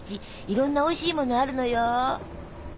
いろんなおいしいものあるのよ！